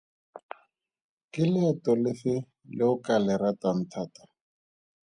Ke leeto lefe le o ka le ratang thata?